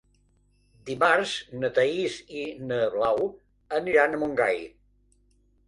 Dimarts na Thaís i na Blau aniran a Montgai.